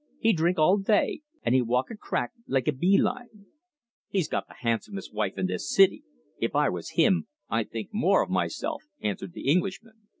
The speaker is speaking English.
He drink all day, an' he walk a crack like a bee line." "He's got the handsomest wife in this city. If I was him, I'd think more of myself," answered the Englishman.